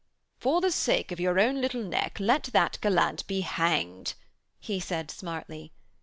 'For the sake of your own little neck, let that gallant be hanged,' he said smartly.